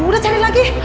udah cari lagi